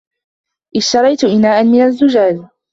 إشتريتُ إناءً من الزجاج.